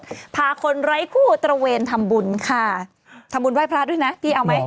พาคนไร้คู่ตระเวนทำบุญค่ะทำบุญไหว้พระด้วยนะพี่เอาไหม